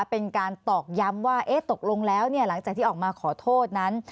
เป็นการตอกย้ำว่าตกลงแล้วหลังจากที่ออกมาขอโทษนั้น